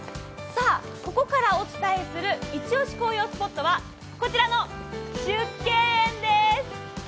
ここからお伝えする「イチオシ紅葉スポット」は、こちらの縮景園です。